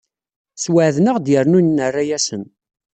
Sweɛden-aɣ-d yernu nerra-asen.